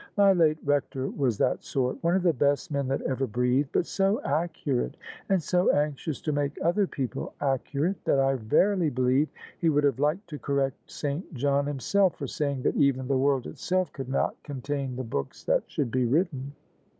My late Rector was that sort : one of the best men that ever breathed : but so accurate, and so anxious to make other people accurate, that I verily believe he would have liked to correct S. John himself for saying that even the world itself could not con tain the books that should be written."